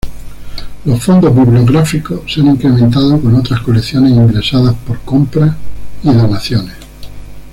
Los fondos bibliográficos se han incrementado con otras colecciones ingresadas por compra y donaciones.